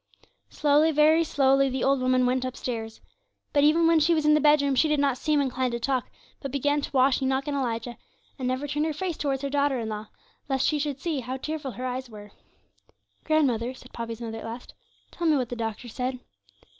Slowly, very slowly, the old woman went upstairs. But even when she was in the bedroom, she did not seem inclined to talk, but began to wash Enoch and Elijah, and never turned her face towards her daughter in law, lest she should see how tearful her eyes were. 'Grandmother,' said Poppy's mother at last, 'tell me what the doctor said.'